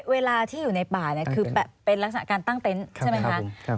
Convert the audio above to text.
เวลาที่อยู่ในป่าเนี่ยคือเป็นลักษณะการตั้งเต็นต์ใช่ไหมคะ